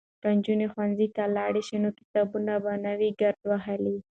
که نجونې ښوونځي ته لاړې شي نو کتابونه به نه وي ګرد وهلي.